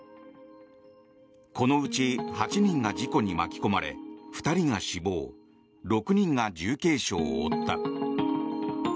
このうち、８人が事故に巻き込まれ、２人が死亡６人が重軽傷を負った。